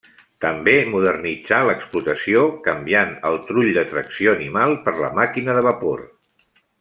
També modernitzà l'explotació canviant el trull de tracció animal per la màquina de vapor.